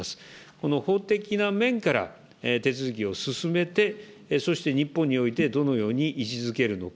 この法的な面から手続きを進めて、そして日本においてどのように位置づけるのか。